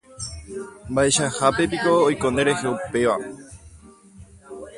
Mba'eichahápepiko oiko nderehe upéva.